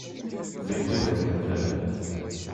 Nekk ur d amattar.